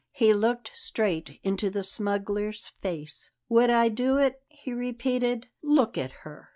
He looked straight into the smuggler's face. "Would I do it?" he repeated. "Look at her!"